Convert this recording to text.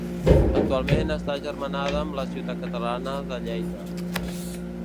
Actualment està agermanada amb la ciutat catalana de Lleida.